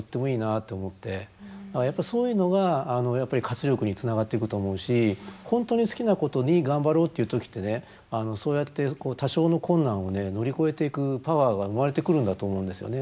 やっぱりそういうのが活力につながっていくと思うし本当に好きなことに頑張ろうっていう時ってねそうやって多少の困難を乗り越えていくパワーが生まれてくるんだと思うんですよね。